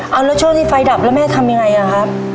เอาแล้วช่วงที่ไฟดับแล้วแม่ทำยังไงอะครับ